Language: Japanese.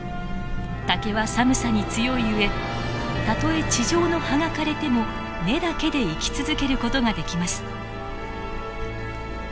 竹は寒さに強い上たとえ地上の葉が枯れても根だけで生き続ける事ができます。